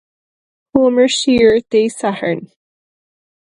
Chuamar siar Dé Sathairn.